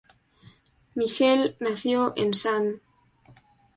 Michel nació en St.